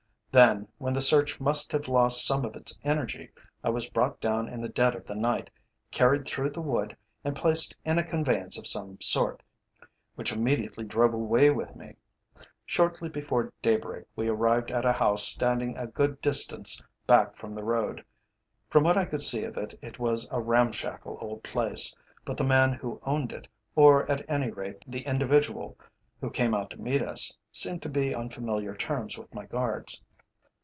Then, when the search must have lost some of its energy, I was brought down in the dead of the night, carried through the wood, and placed in a conveyance of some sort, which immediately drove away with me. Shortly before daybreak we arrived at a house standing a good distance back from the road. From what I could see of it, it was a ramshackle old place, but the man who owned it, or at any rate the individual who came out to meet us, seemed to be on familiar terms with my guards.